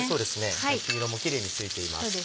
焼き色もキレイについています。